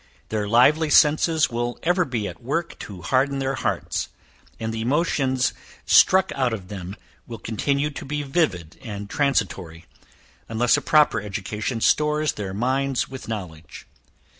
Their lively senses will ever be at work to harden their hearts, and the emotions struck out of them will continue to be vivid and transitory, unless a proper education stores their minds with knowledge.